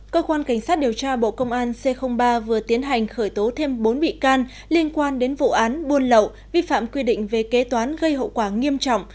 cơ quan cảnh sát điều tra bộ công an c ba vừa tiến hành khởi tố thêm bốn bị can liên quan đến vụ án buôn lậu vi phạm quy định về kế toán gây hậu quả nghiêm trọng